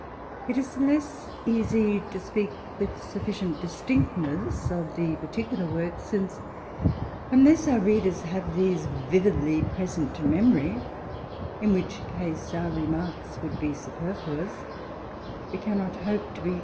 It is less easy to speak with suffi cient distinctness of the particular v7orks, since, unless our readers have these vividly present to memory (in which case our remarks would be superfluous), we cannot hope to be